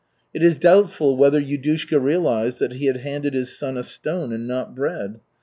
It is doubtful whether Yudushka realized that he had handed his son a stone and not bread.